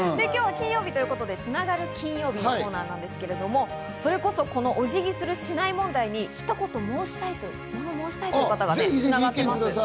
今日は金曜日ということで、つながる金曜日のコーナーなんですけど、それこそこの、お辞儀する、しない問題にひと言申したいと、物申したいという方がつながっています。